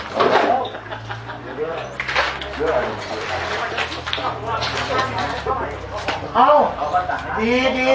จะมีรอยใต้